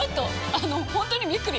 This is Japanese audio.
あの本当にびっくり！